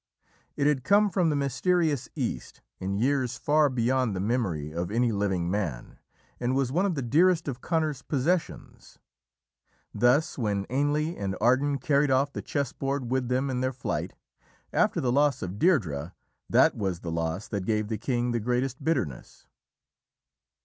It had come from the mysterious East in years far beyond the memory of any living man, and was one of the dearest of Conor's possessions. Thus, when Ainle and Ardan carried off the chess board with them in their flight, after the loss of Deirdrê, that was the loss that gave the king the greatest bitterness.